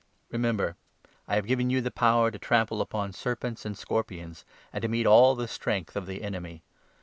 Remember, I have given you the power to ' trample 19 upon serpents and scorpions,' and to meet all the strength of the Enemy.